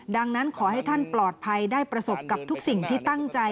ดังนั้นขอให้ท่านปลอดภัยได้ประสบกับทุกสิ่งที่ตั้งใจ